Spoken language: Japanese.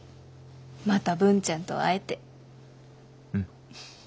また文ちゃんと会えて。